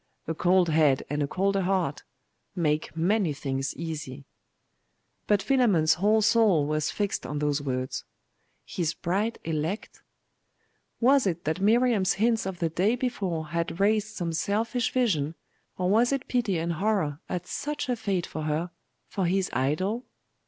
A cold head and a colder heart make many things easy. But Philammon's whole soul was fixed on those words. 'His bride elect!'.... Was it that Miriam's hints of the day before had raised some selfish vision, or was it pity and horror at such a fate for her for his idol?